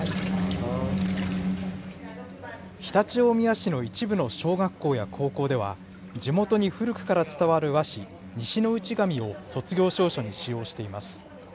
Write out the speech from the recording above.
常陸大宮市の一部の小学校や高校では、地元に古くから伝わる和紙、西の内紙を卒業証書に使用しています。